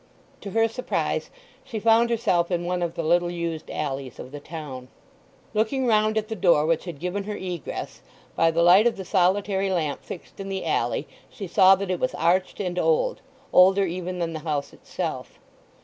To her surprise she found herself in one of the little used alleys of the town. Looking round at the door which had given her egress, by the light of the solitary lamp fixed in the alley, she saw that it was arched and old—older even than the house itself.